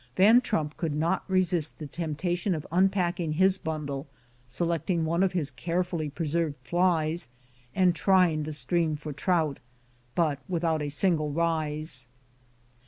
Van Trump could not resist the temptation of unpack ing his bundle, selecting one of his carefully preserved flies, and trying the stream for trout, but without a single rise.